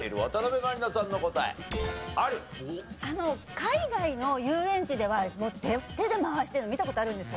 海外の遊園地では手で回してるの見た事あるんですよ。